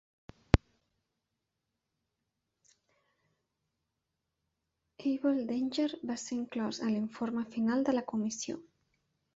Able Danger va ser inclòs a l'informe final de la Comissió.